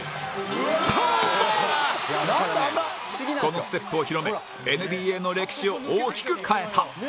このステップを広め ＮＢＡ の歴史を大きく変えた